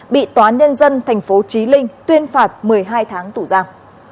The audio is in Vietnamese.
bị tòa nhân dân tp trí linh tuyên phạt một mươi hai tháng tù giam